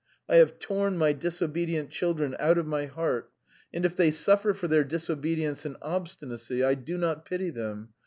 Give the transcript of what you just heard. I have torn my disobedient children out of my heart, and if they suffer through their disobedience and obstinacy I have no pity for them.